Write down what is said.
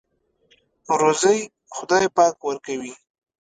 روزۍ خدای پاک ورکوي.